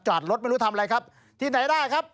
จอดรถไม่รู้ทำอะไรครับที่ไหนได้ครับ